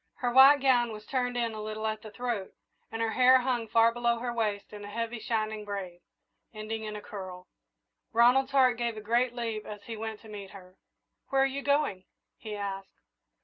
Her white gown was turned in a little at the throat, and her hair hung far below her waist in a heavy, shining braid, ending in a curl. Ronald's heart gave a great leap as he went to meet her. "Where are you going?" he asked.